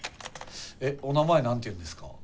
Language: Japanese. えお名前何て言うんですか？